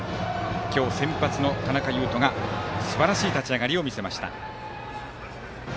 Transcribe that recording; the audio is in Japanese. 今日、先発の田中優飛がすばらしい立ち上がりを見せました。